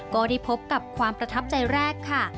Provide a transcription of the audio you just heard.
ก็ได้พบกับความประทับใจแรกค่ะ